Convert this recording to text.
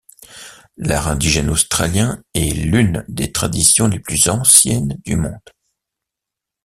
L'art indigène australien est l'une des traditions les plus anciennes du monde.